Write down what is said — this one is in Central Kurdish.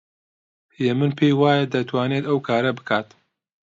هێمن پێی وایە دەتوانێت ئەو کارە بکات.